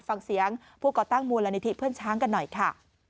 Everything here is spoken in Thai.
ฟังเสียงผู้ก่อตั้งมูลนิธิเพื่อนช้างกันหน่อยค่ะ